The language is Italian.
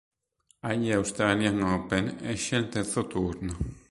Agli Australian Open esce al terzo turno.